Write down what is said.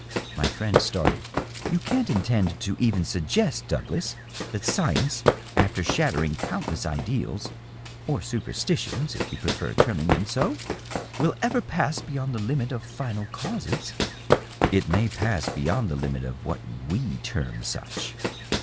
My friend started. " You can't intend to even suggest, Douglas, that science, after shattering countless ideals (or superstitions, if you prefer terming them so) will ever pass beyond the limit of final causes?" " It may pass beyond the limit of what we term such.